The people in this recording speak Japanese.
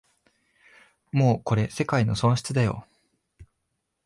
もうこれ世界の損失だよ